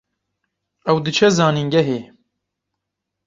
Ew diçe zanîngehê